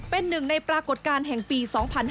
เป็นหนึ่งในปรากฏการณ์แห่งปี๒๕๕๙